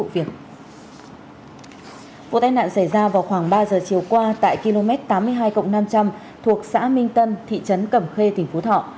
vụ tai nạn xảy ra vào khoảng ba giờ chiều qua tại km tám mươi hai năm trăm linh thuộc xã minh tân thị trấn cẩm khê tỉnh phú thọ